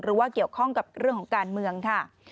หรือว่าเกี่ยวข้องกับเรื่องของการเมืองค่ะ